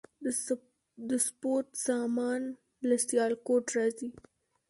د سپورت سامان له سیالکوټ راځي؟